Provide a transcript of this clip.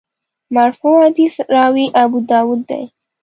مرفوع حدیث راوي ابوداوود دی.